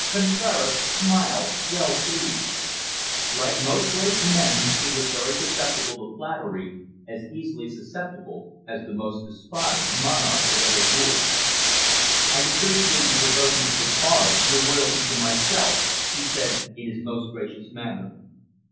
Contraras smiled, well pleased. Like most great men, he was very susceptible to flattery, as easily susceptible as the most despotic monarch that ever ruled. "I appreciate your devotion to the cause, your loyalty to myself," he said in his most gracious manner.